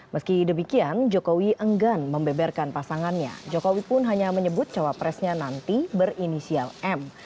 meski demikian jokowi enggan membeberkan pasangannya jokowi pun hanya menyebut cawapresnya nanti berinisial m